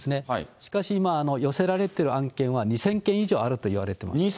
しかし、寄せられている案件は２０００件以上あるといわれています。